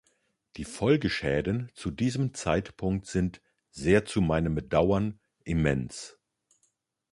Die Folgeschäden zu diesem Zeitpunkt sind, sehr zu meinem Bedauern, immens.